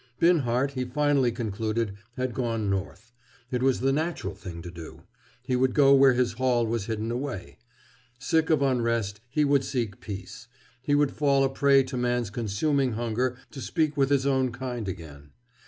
Binhart, he finally concluded, had gone north. It was the natural thing to do. He would go where his haul was hidden away. Sick of unrest, he would seek peace. He would fall a prey to man's consuming hunger to speak with his own kind again.